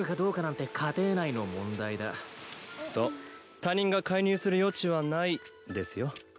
他人が介入する余地はないですよ。